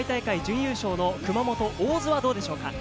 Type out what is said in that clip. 対する前回大会準優勝の熊本・大津はどうでしょうか？